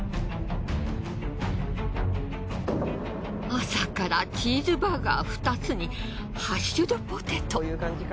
朝からチーズバーガー２つにハッシュドポテト。